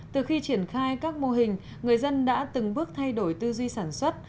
từ khi triển khai các mô hình người dân đã từng bước thay đổi tư duy sản xuất